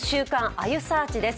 あゆサーチ」です。